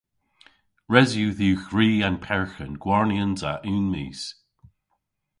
Res yw dhywgh ri an perghen gwarnyans a unn mis.